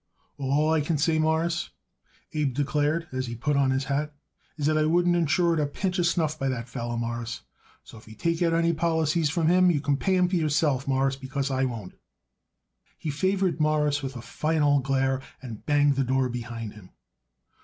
"Well, all I can say, Mawruss," Abe declared as he put on his hat, "is that I wouldn't insure it a pinch of snuff by that feller, Mawruss. So if you take out any policies from him you can pay for 'em yourself, Mawruss, because I won't." He favored Morris with a final glare and banged the door behind him.